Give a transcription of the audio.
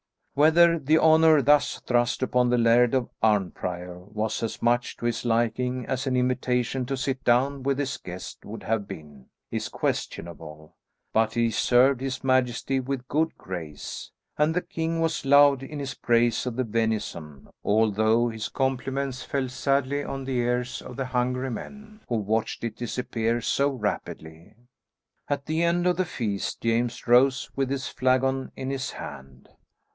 Whether the honour thus thrust upon the Laird of Arnprior was as much to his liking as an invitation to sit down with his guest would have been, is questionable, but he served his majesty with good grace, and the king was loud in his praise of the venison, although his compliments fell sadly on the ears of the hungry men who watched it disappear so rapidly. At the end of the feast James rose with his flagon in his hand.